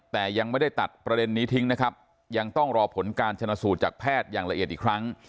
แต่ยังไม่ได้ตัดประเด็นนี้ทิ้งนะครับยังต้องรอผลการชนะสูตรจากแพทย์อย่างละเอียดอีกครั้ง